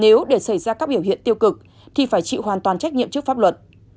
nếu để xảy ra các biểu hiện tiêu cực thì phải chịu hoàn toàn trách nhiệm trước pháp luật